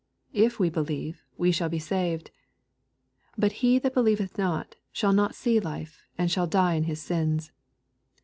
If we believe, we shall be saved. But he that believeth not, shall not see life, and shall die in his sins.